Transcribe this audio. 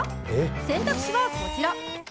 選択肢はこちら。